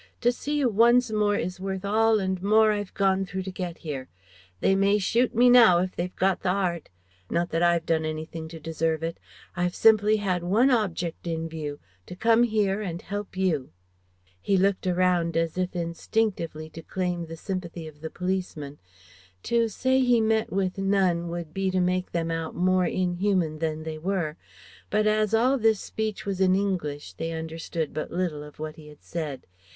To see you once more is worth all and more I've gone through to get here. They may shoot me now, if they've got the heart Not that I've done anything to deserve it I've simply had one object in view: To come here and help you." He looked around as if instinctively to claim the sympathy of the policemen. To say he met with none would be to make them out more inhuman than they were. But as all this speech was in English they understood but little of what he had said.